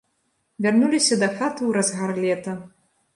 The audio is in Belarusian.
Вярнуліся дахаты ў разгар лета.